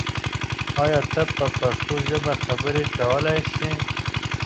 آیا ته په پښتو ژبه خبرې کولای سې؟